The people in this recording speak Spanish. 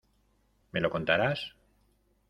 ¿Me lo contarás?